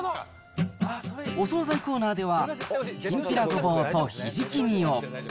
お総菜コーナーでは、きんぴらごぼうとひじき煮を。